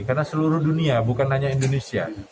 karena seluruh dunia bukan hanya indonesia